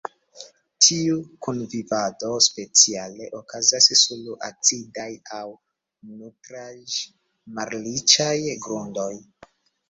Tiu kunvivado speciale okazas sur acidaj aŭ nutraĵ-malriĉaj grundoj.